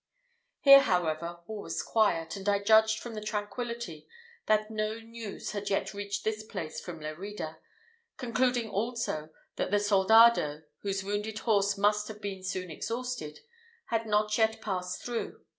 Here, however, all was quiet, and I judged from the tranquillity that no news had yet reached this place from Lerida; concluding, also, that the soldado, whose wounded horse must have been soon exhausted, had not yet passed through.